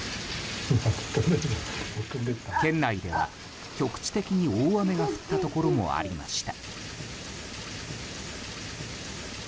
県内では局地的に大雨の降ったところもありました。